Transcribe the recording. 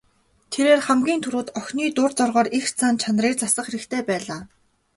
Тэрээр хамгийн түрүүнд охины дур зоргоороо эрх зан чанарыг засах хэрэгтэй байлаа.